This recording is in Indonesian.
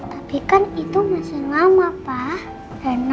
ya bener nggak boleh sedih